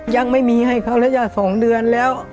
ยังไม่มีให้เขาแล้วจ้ะ๒เดือนแล้ว